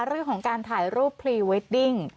เรื่องของการถ่ายรูปพรีเวดดิ้ง